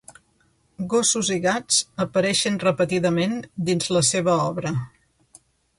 Gossos i gats apareixen repetidament dins la seva obra.